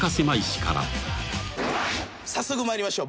早速参りましょう。